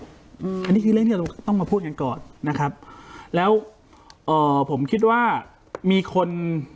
อันนี้คือเรื่องที่เราต้องมาพูดกันก่อนนะครับแล้วเอ่อผมคิดว่ามีคน